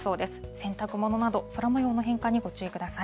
洗濯物など空もようの変化にご注意ください。